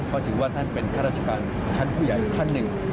ก็ถือว่าท่านเป็นข้าราชการชั้นผู้ใหญ่อยู่ท่านหนึ่ง